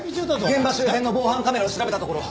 現場周辺の防犯カメラを調べたところ